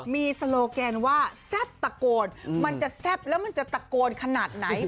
มีสโลแกนว่าจะตะโกนมันจะหลักแล้วมันจะตะโกนขนาดไหน